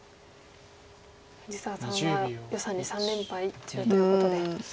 藤沢さんは余さんに３連敗中ということで。